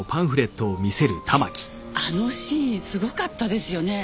ねえあのシーンすごかったですよねぇ。